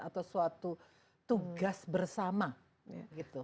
atau suatu tugas bersama gitu